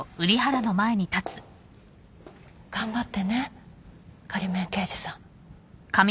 頑張ってね仮免刑事さん。